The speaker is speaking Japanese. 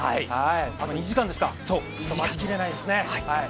あと２時間ですか、待ちきれないですね。